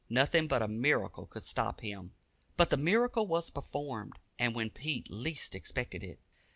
Nothing but a miracle could stop him. But the miracle was performed, and when Pete least expected it.